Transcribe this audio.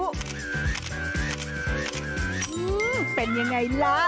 อื้อเป็นอย่างไรล่ะ